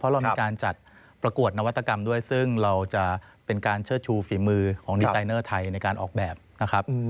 เรามีการจัดประกวดนวัตกรรมด้วยซึ่งเราจะเป็นการเชิดชูฝีมือของดีไซเนอร์ไทยในการออกแบบนะครับ